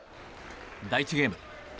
第１ゲーム。